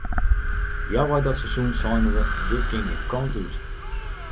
Healwei dat seizoen seinen we dit kin gjin kant út.